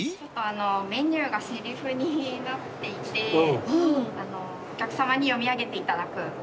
メニューがせりふになっていてお客さまに読み上げていただく。